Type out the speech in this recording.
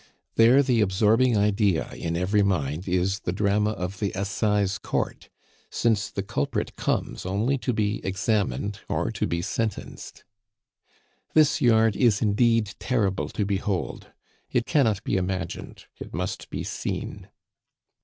There the absorbing idea in every mind is the drama of the Assize Court, since the culprit comes only to be examined or to be sentenced. This yard is indeed terrible to behold; it cannot be imagined, it must be seen.